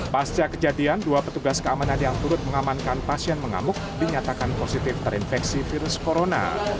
pasca kejadian dua petugas keamanan yang turut mengamankan pasien mengamuk dinyatakan positif terinfeksi virus corona